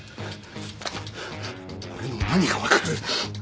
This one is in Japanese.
俺の何が分かる！